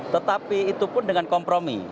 tetapi itu pun dengan kompromi